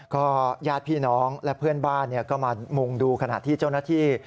ก็ญาติพี่น้องและเพื่อนบ้านก็มามุงดูขณะที่เจ้าหน้าที่